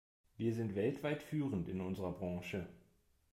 Wir sind weltweit führend in unserer Branche.